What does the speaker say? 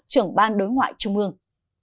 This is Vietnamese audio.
trưởng ban đối ngoại trung ương